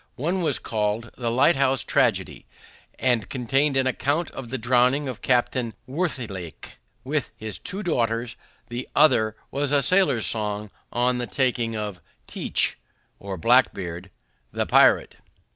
One was called The Lighthouse Tragedy, and contained an account of the drowning of Captain Worthilake, with his two daughters: the other was a sailor's song, on the taking of Teach (or Blackbeard) the pirate.